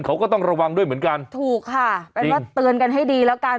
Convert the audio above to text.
เขาก็ต้องระวังด้วยเหมือนกันถูกค่ะเป็นว่าเตือนกันให้ดีแล้วกัน